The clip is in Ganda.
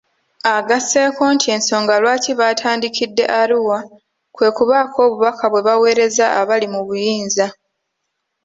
Agasseeko nti ensonga lwaki batandikidde Arua, kwe kubaako obubaka bwe baweereza abali mu buyinza.